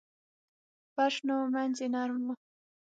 فرش نه و مینځ یې نرم و.